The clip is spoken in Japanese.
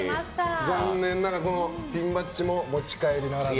残念ながらピンバッジも持ち帰りならず。